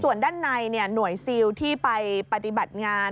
ส่วนด้านในหน่วยซิลที่ไปปฏิบัติงาน